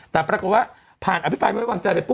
ถ้าผรากบว่าผ่านอพิคล์ไปหลวงจ๋าไป